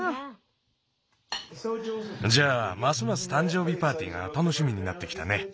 じゃあますますたん生日パーティーがたのしみになってきたね。